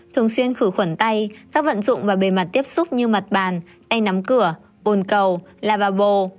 thường xuyên khử khuẩn tay các vận dụng và bề mặt tiếp xúc như mặt bàn tay nắm cửa bồn cầu lavabo